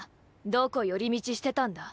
どこ寄り道してたんだ。